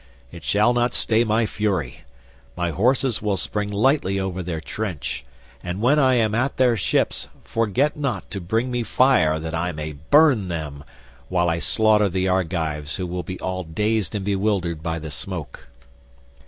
It shall not stay my fury; my horses will spring lightly over their trench, and when I am at their ships forget not to bring me fire that I may burn them, while I slaughter the Argives who will be all dazed and bewildered by the smoke."